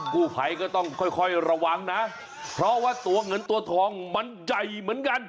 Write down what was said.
ผู้ภัยก็ต้องค่อยค่อยระวังนะเพราะว่าตัวเงินตัวทองมันใหญ่เหมือนกัน